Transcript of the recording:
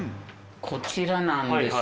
こちらなんです。